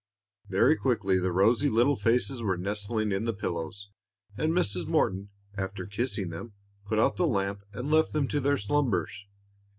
Very quickly the rosy little faces were nestling in the pillows, and Mrs. Morton, after kissing them, put out the lamp and left them to their slumbers.